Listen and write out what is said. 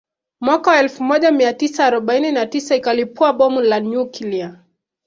Mwaka wa elfu moja mia tisa arobaini na tisa ikalipua Bomu la nyukilia